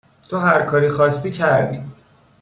تو هر کاری خواستی کردی